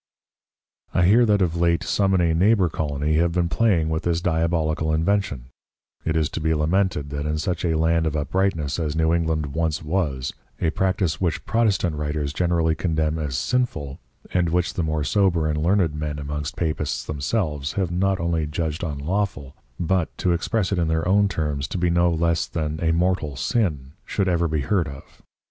I hear that of late some in a Neighbour Colony have been playing with this Diabolical invention: It is to be lamented, that in such a Land of Uprightness as New England once was, a Practice which Protestant Writers generally condemn as sinful, and which the more sober and learned Men amongst Papists themselves have not only judged unlawful, but (to express it in their own terms) to be no less than a Mortal Sin, should ever be heard of.